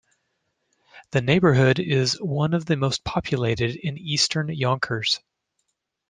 This neighborhood is one of the most populated in eastern Yonkers.